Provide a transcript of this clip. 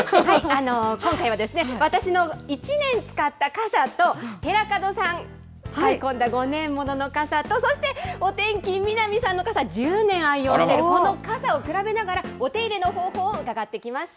今回は私の１年使った傘と、寺門さん、使い込んだ５年ものの傘と、そしてお天気、南さんの傘、１０年愛用している、この傘を比べながら、お手入れの方法を伺ってきました。